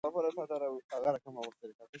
د ګاونډي هیواد ګرمي ډېره سخته وه.